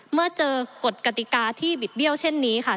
เมื่อเจอกฎกติกาที่บิดเบี้ยวเช่นนี้ค่ะ